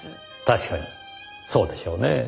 確かにそうでしょうねぇ。